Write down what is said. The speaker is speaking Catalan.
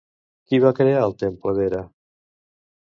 Qui va crear el temple d'Hera?